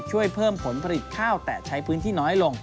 ช่วยเพิ่มผลผลิตข้าวแต่ใช้พื้นที่น้อยลง